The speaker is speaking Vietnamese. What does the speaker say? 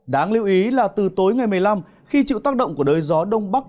đáng lưu ý là từ tối ngày một mươi năm khi chịu tác động của đới gió đông bắc